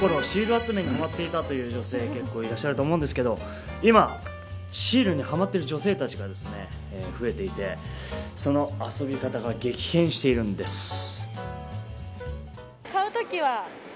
シール集めにはまっていたという女性は結構いらっしゃると思うんですが今、シールにはまっている女性たちが増えていてその遊び方が激変しているんです。